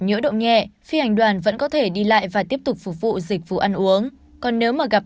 nhiễu động nhẹ phi hành đoàn vẫn có thể đi lại và tiếp tục phục vụ dịch vụ ăn uống còn nếu mà gặp